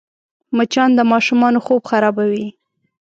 مچان د ماشومانو خوب خرابوي